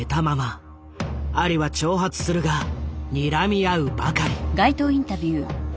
アリは挑発するがにらみ合うばかり。